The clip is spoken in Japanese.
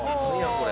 これ。